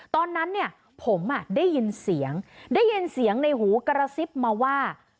ตอนนั้นเนี่ยผมได้ยินเสียงได้ยินเสียงในหูกระซิบมาว่า